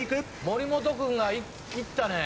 森本君がいったね。